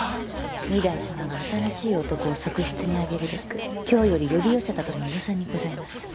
御台様が新しい男を側室に上げるべく京より呼び寄せたとの噂にございます。